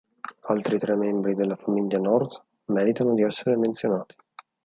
Altri tre membri della famiglia North meritano di essere menzionati.